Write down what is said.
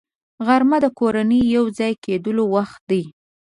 غرمه د کورنۍ یو ځای کېدلو وخت دی